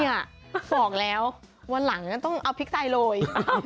เนี่ยบอกแล้ววันหลังต้องเอาพริกไซล์โรย